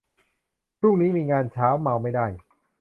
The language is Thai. พรุ่งนี้มีงานเช้า เมาไม่ได้